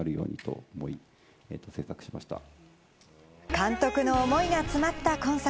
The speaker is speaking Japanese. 監督の思いが詰まった今作。